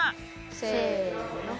せの。